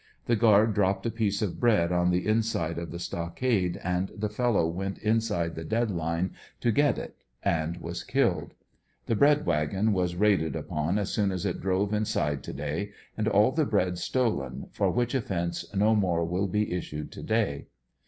The guard dropped a piece of bread on the inside of the stockade, and the fellow went inside the dead line to get it and was killed. The bread wagon was raided upon as soon as it drove inside to day and all the bread stolen, for which offense no more will be issued to day.